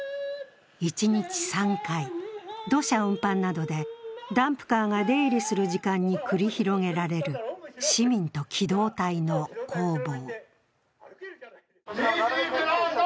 一日３回、土砂運搬などでダンプカーが出入りする時間などに繰り広げられる市民と機動隊の攻防。